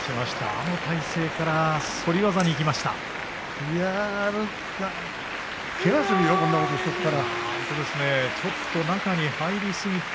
あの体勢から反り技にいきました。